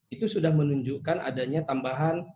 itu sudah menunjukkan adanya tambahan